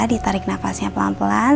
ditarik nafasnya pelan pelan